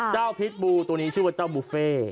พิษบูตัวนี้ชื่อว่าเจ้าบุฟเฟ่